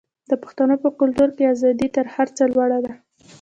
د پښتنو په کلتور کې ازادي تر هر څه لوړه ده.